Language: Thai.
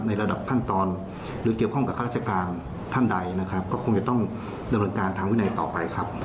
ระดับขั้นตอนหรือเกี่ยวข้องกับข้าราชการท่านใดนะครับก็คงจะต้องดำเนินการทางวินัยต่อไปครับ